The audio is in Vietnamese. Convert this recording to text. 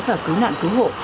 và cứu nạn cứu hộ